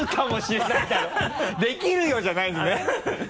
「できるよ！」じゃないんですね